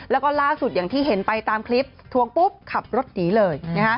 แล้วก็ล่าสุดอย่างที่เห็นไปตามคลิปทวงปุ๊บขับรถหนีเลย